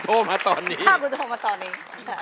ก็คือคุณโทรมาตอนนี้